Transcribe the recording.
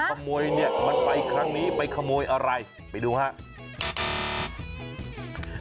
ขโมยเนี่ยมันไปครั้งนี้ไปขโมยอะไรไปดูครับ